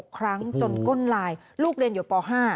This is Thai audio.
๖ครั้งจนก้นลายลูกเรียนอยู่ป๕